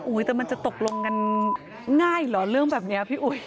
แต่มันจะตกลงกันง่ายเหรอเรื่องแบบนี้พี่อุ๋ย